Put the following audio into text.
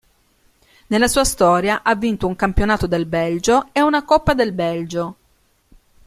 Nella sua storia ha vinto un campionato del Belgio e una coppa del Belgio.